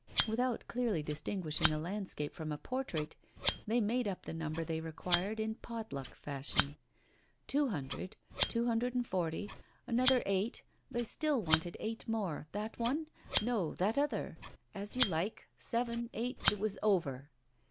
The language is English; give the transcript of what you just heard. Without clearly distinguishing a landscape from a portrait, they made up the number they required in pot luck fashion. Two hundred, two hundred and forty another eight, they still wanted eight more. That one? No, that other. As you like! Seven, eight, it was over!